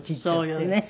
そうよね。